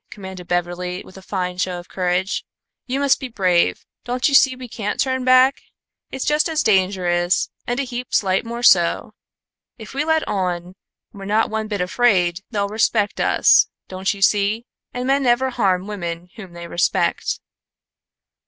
commanded Beverly, with a fine show of courage. "You must be brave. Don't you see we can't turn back? It's just as dangerous and a heap sight more so. If we let on we're not one bit afraid they'll respect us, don't you see, and men never harm women whom they respect."